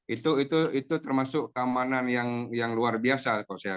itu itu itu termasuk keamanan yang yang luar biasa